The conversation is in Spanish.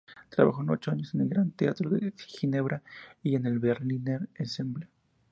Trabajó ocho años en el Gran Teatro de Ginebra y en el Berliner Ensemble.